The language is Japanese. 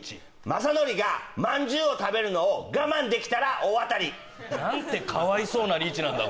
雅紀が饅頭を食べるのを我慢できたら大当たり何てかわいそうなリーチなんだ